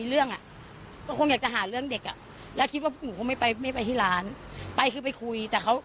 เลยยุ่งเลย